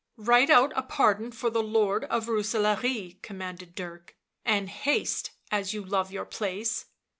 " Write out a pardon for the Lord of Rooselaare," commanded Dirk, " and haste, as you love your place.